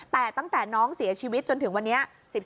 แต่ตั้งแต่น้องเสียชีวิตจนถึงวันนี้